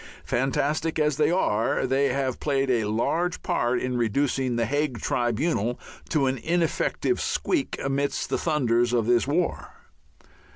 Fantastic as they are, they have played a large part in reducing the Hague Tribunal to an ineffective squeak amidst the thunders of this war.